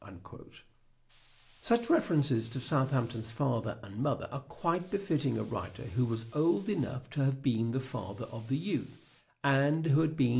POETIC SELF REVELATION 439 Such references to Southamption's father and mother The are quite befitting a writer who was old enough to have been the father of the youth, and who had been ampton.